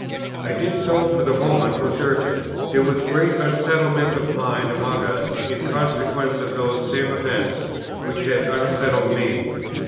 I did so, for the moment was urgent; there was great unsettlement of mind among us, in consequence of those same events which had unsettled me.